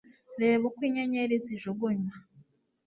reba uko inyenyeri zijugunywa